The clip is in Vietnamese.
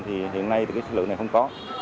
thì hiện nay thì cái sản lượng này không có